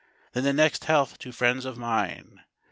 Then the next health to friends of mine.